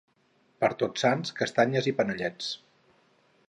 Per tots sants castanyes i panellets